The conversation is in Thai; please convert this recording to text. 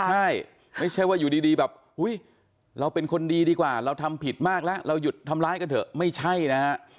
ใช่ไม่ใช่ว่าอยู่ดีแบบอุ๊ยเราเป็นคนดีดีกว่าเราทำผิดมากแล้วเราหยุดทำร้ายกันเถอะไม่ใช่นะฮะ